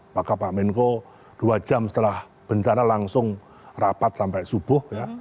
maka pak menko dua jam setelah bencana langsung rapat sampai subuh ya